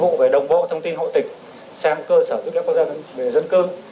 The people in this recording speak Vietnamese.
và các dịch vụ về đồng bộ thông tin hộ tịch sang cơ sở dữ liệu quốc gia dân cư